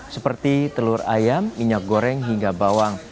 seperti telur ayam minyak goreng hingga bawang